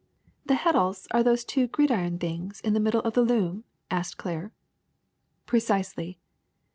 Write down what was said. '*^^ The heddles are those two gridiron things in the middle of the loom?'^ asked Claire. *^ Precisely.